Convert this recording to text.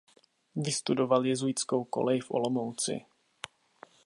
Vystudoval jezuitskou kolej v Olomouci.